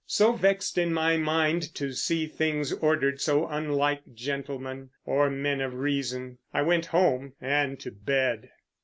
So, vexed in my mind to see things ordered so unlike gentlemen, or men of reason, I went home and to bed.